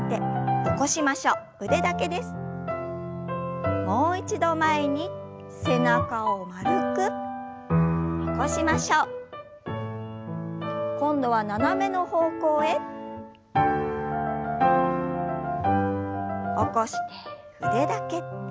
起こして腕だけ。